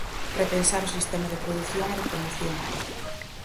Repensar o sistema de produción e de promoción.